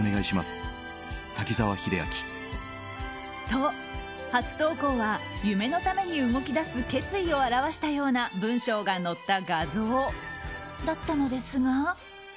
と、初投稿は夢のために動き出す決意を表したような文章が載った画像だったのですが。